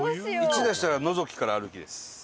１出したらのぞきから歩きです。